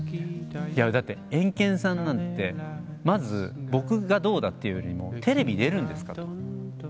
だってエンケンさんなんてまず僕がどうだっていうよりも「テレビ出るんですか？」と。